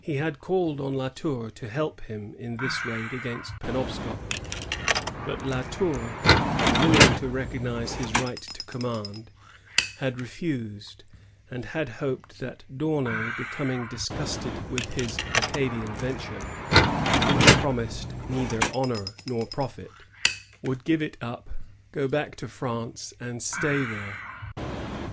He had called on La Tour to help him in this raid against Penohscot; but La Tour, unwilling to recog nize his right to command, had refused, and had hoped that D'Aunay, becoming disgusted with his Acadian venture, which promised neither honor nor profit, would give it up, go back to France^ and stay there.